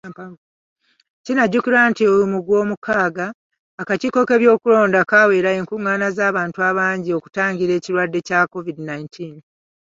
Kinajjukirwa nti mu Gwomukaaga, akakiiko k'ebyokulonda kaawera enkung'ana z'abantu abangi okutangira ekirwadde kya COVID nineteen.